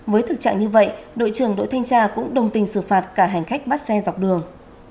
với thực trạng như vậy đội trưởng đội thanh tra cũng đồng tình xử phạt cả hành khách bắt xe dọc đường